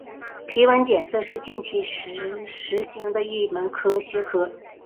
皮纹检测是近期时兴的一门学科。